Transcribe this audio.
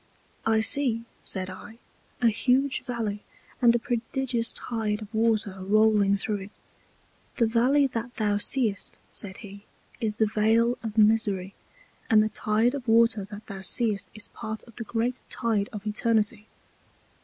I see, said I, a huge Valley, and a prodigious Tide of Water rolling through it. The Valley that thou seest, said he, is the Vale of Misery, and the Tide of Water that thou seest is part of the great Tide of Eternity.